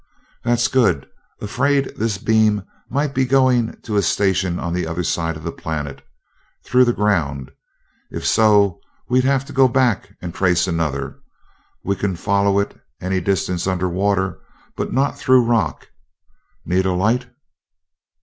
"That's good. Afraid this beam might be going to a station on the other side of the planet through the ground. If so, we'd have had to go back and trace another. We can follow it any distance under water, but not through rock. Need a light?"